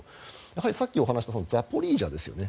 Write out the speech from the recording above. やはりさっきお話ししたザポリージャですよね。